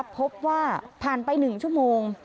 พบว่าผ่านไป๑ชั่วโมง